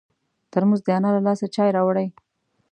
ترموز د انا له لاسه چای راوړي.